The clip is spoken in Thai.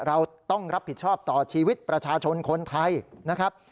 เราต้องรับผิดชอบต่อชีวิตประชาชนคนไทยนะครับ